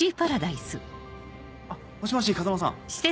あっもしもし風真さん。